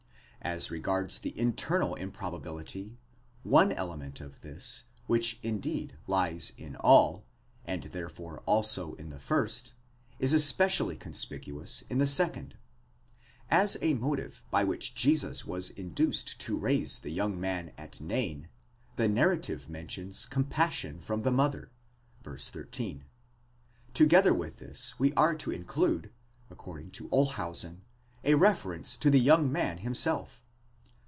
As regards the internal improbability, one element of this, which indeed lies in all, and therefore also in the first, is especially conspicuous in the second. Asa motive by which Jesus was in duced to raise the young man at Nain, the narrative mentions compassion for the mother (v. 13). Together with this we are to include, according to Olshausen, a reference to the young man himself.